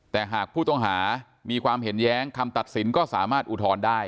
แต่หากผู้ต้องหามีความเห็นแย้งคำตัดสินก็สามารถอุทธรณ์ได้